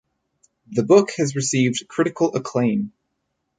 The book has received critical acclaim.